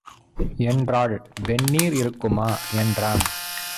என்றாள். "வெந்நீர் இருக்குமா" என்றான்.